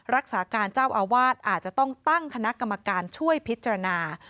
รักษาการเจ้าอาวาสอาจจะต้องตั้งคณะกรรมการช่วยพิจารณา